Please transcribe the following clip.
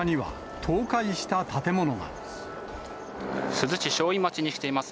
珠洲市正院町に来ています。